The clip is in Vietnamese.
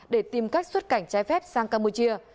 để tìm cách xuất cảnh trái phép sang campuchia